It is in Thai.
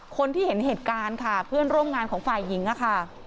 คนที่เห็นเหตุการณ์ค่ะเพื่อนร่วมงานของฝ่ายหญิงค่ะ